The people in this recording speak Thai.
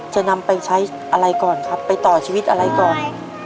จะนำไปใช้อะไรก่อนครับไปต่อชีวิตอะไรก่อน